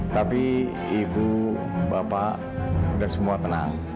tapi ibu bapak dan semua tenang